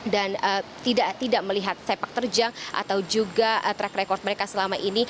dan tidak melihat sepak terjang atau juga track record mereka selama ini